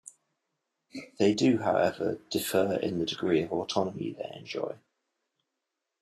They do, however, differ in the degree of autonomy they enjoy.